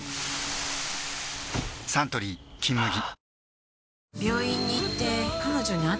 サントリー「金麦」